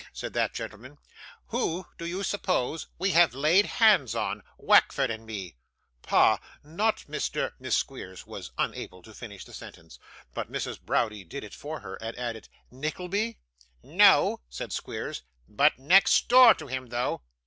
said that gentleman; 'who do you suppose we have laid hands on, Wackford and me?' 'Pa! not Mr ?' Miss Squeers was unable to finish the sentence, but Mrs Browdie did it for her, and added, 'Nickleby?' 'No,' said Squeers. 'But next door to him though.